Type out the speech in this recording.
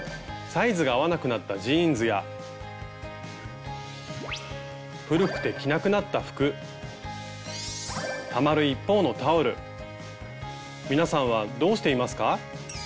サイズが合わなくなったジーンズや古くて着なくなった服たまる一方のタオル皆さんはどうしていますか？